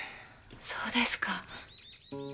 そうですか。